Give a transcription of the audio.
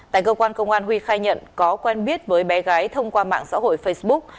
tại cơ quan công an huy khai nhận có quen biết với bé gái thông qua mạng xã hội facebook